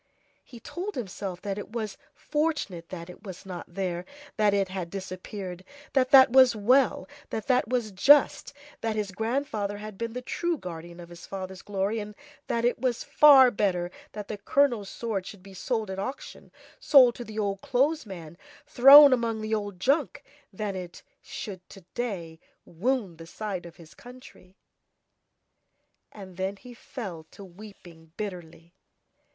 He told himself that it was fortunate that it was not there and that it had disappeared, that that was well, that that was just, that his grandfather had been the true guardian of his father's glory, and that it was far better that the colonel's sword should be sold at auction, sold to the old clothes man, thrown among the old junk, than that it should, to day, wound the side of his country. And then he fell to weeping bitterly.